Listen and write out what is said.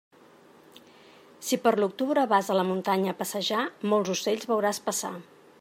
Si, per l'octubre, vas a la muntanya a passejar, molts ocells veuràs passar.